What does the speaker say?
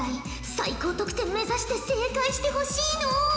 最高得点目指して正解してほしいのう！